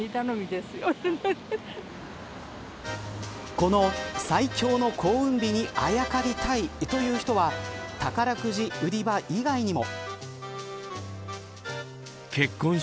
この最強の幸運日にあやかりたいという人は宝くじ売り場以外にも。